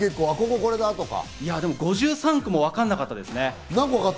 でも５３個もわからなかったです。